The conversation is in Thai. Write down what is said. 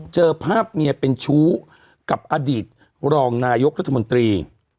เจอภาพเมียเป็นชู้กับอดีตรองนายกรัฐมนตรี